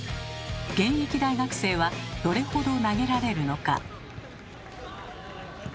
現役大学生はどれほど投げられるのか。